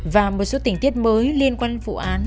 và một số tình tiết mới liên quan vụ án